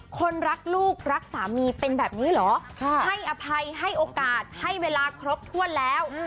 คนรักลูกรักสามีเป็นแบบนี้เหรอให้อภัยให้โอกาสให้เวลาครบถ้วนแล้ว